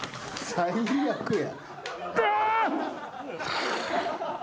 最悪や。